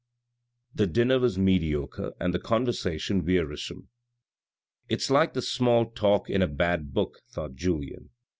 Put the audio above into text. The dinner was mediocre and the conversation wearisome. " It's like the small talk in a bad book," thought Julien.